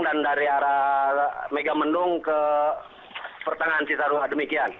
dan dari arah megamendung ke pertengahan cisarua demikian